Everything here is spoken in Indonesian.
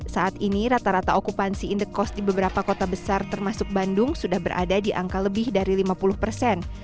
saat ini rata rata okupansi indekos di beberapa kota besar termasuk bandung sudah berada di angka lebih dari lima puluh persen